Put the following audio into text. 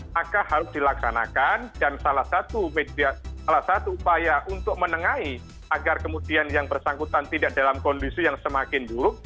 maka harus dilaksanakan dan salah satu upaya untuk menengahi agar kemudian yang bersangkutan tidak dalam kondisi yang semakin buruk